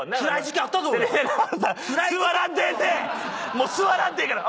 もう座らんでええから。